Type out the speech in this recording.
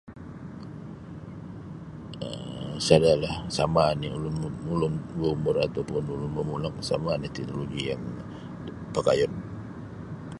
um Sada la sama oni ulun ulun baumur atau ulun momulok sama oni ti teknologi yang pakaiun.